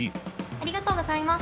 ありがとうございます。